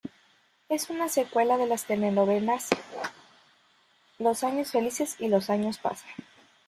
Es una secuela de las telenovelas "Los años felices" y "Los años pasan".